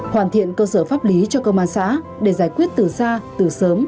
hoàn thiện cơ sở pháp lý cho công an xã để giải quyết từ xa từ sớm